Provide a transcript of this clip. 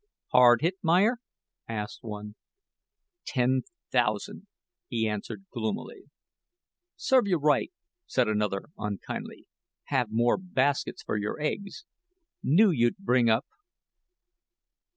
"Hard hit, Meyer?" asked one. "Ten thousand," he answered, gloomily. "Serve you right," said another, unkindly; "have more baskets for your eggs. Knew you'd bring up."